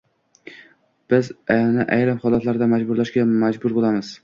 biz uni ayrim holatlarda majburlashga... majbur bo‘lamiz.